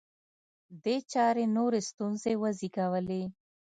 دې چارې نورې ستونزې وزېږولې